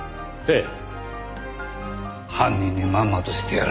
ええ。